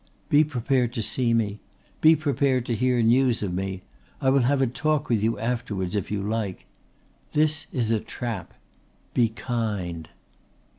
"Be prepared to see me. Be prepared to hear news of me. I will have a talk with you afterwards if you like. This is a trap. Be kind."